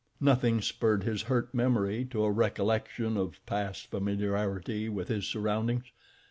Nothing spurred his hurt memory to a recollection of past familiarity with his surroundings.